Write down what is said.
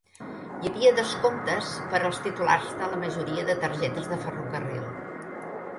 Hi havia descomptes per als titulars de la majoria de targetes de ferrocarril.